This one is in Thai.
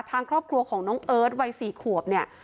ทางครอบครัวของน้องเอิร์ทวัย๔ขวบเนี่ย